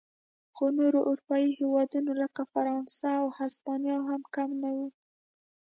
خو نور اروپايي هېوادونه لکه فرانسه او هسپانیا هم کم نه و.